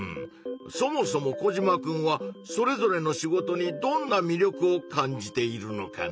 そもそもコジマくんはそれぞれの仕事にどんなみりょくを感じているのかな？